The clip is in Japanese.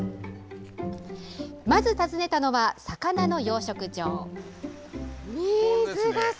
まず訪ねたのは魚の養殖場。